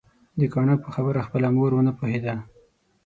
د کاڼه په خبرو خپله مور ونه پوهيده